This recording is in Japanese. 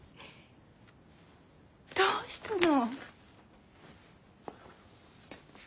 どうしたの？